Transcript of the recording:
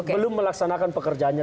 belum melaksanakan pekerjaannya